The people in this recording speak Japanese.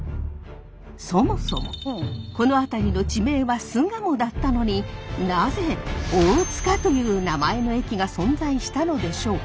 そもそもこの辺りの地名は巣鴨だったのになぜ大塚という名前の駅が存在したのでしょうか？